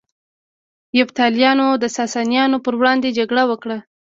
یفتلیانو د ساسانیانو پر وړاندې جګړه وکړه